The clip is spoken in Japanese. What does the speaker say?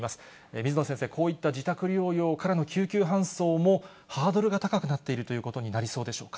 水野先生、こういった自宅療養からの救急搬送も、ハードルが高くなっているということになりそうでしょうか。